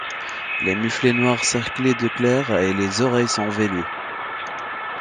Le mufle est noir cerclé de clair et les oreilles sont velues.